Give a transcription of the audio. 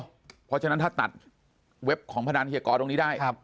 เพราะฉะนั้นถ้าตัดเว็บของพนันเฮียกอตรงนี้ได้